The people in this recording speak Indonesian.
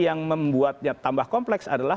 yang membuatnya tambah kompleks adalah